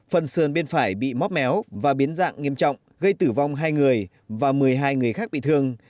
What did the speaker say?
phần sườn bên phải bị móc méo và biến dạng nghiêm trọng gây tử vong hai người và một mươi hai người khác bị thương